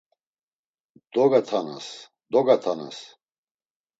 Dogatanas, dogatanas.